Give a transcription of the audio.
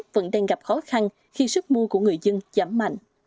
vẫn đang gặp khó khăn khi sức mua của người dân giảm mạnh